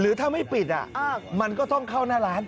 ถ้าไม่ปิดมันก็ต้องเข้าหน้าร้าน